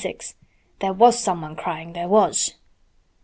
"THERE WAS SOMEONE CRYING—THERE WAS!"